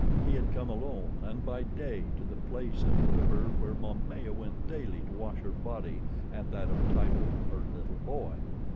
He had come alone and by day to the place at the river where Momaya went daily to wash her body and that of Tibo, her little boy.